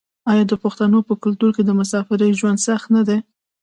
آیا د پښتنو په کلتور کې د مسافرۍ ژوند سخت نه دی؟